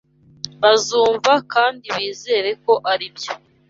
Bazumva kandi bizere ko aribyo